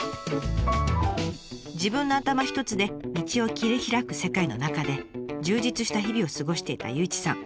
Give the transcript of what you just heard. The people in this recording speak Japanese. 自分の頭一つで道を切り開く世界の中で充実した日々を過ごしていた祐一さん。